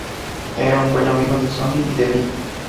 Eras un buen amigo de Sonny y de mi.